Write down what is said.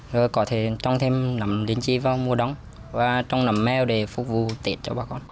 rồi có thể trồng thêm nấm linh chi vào mùa đông và trồng nấm mèo để phục vụ tiện cho bà con